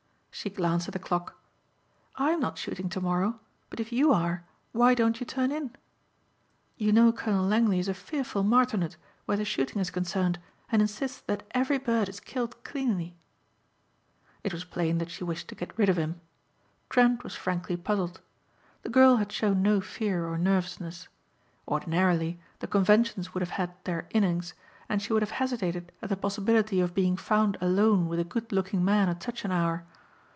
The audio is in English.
She glanced at the clock. "I'm not shooting tomorrow but if you are why don't you turn in? You know Colonel Langley is a fearful martinet where the shooting is concerned and insists that every bird is killed cleanly." It was plain that she wished to get rid of him. Trent was frankly puzzled. The girl had shown no fear or nervousness. Ordinarily the conventions would have had their innings and she would have hesitated at the possibility of being found alone with a good looking man at such an hour.